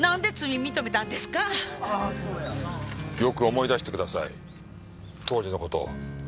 よく思い出してください当時の事を。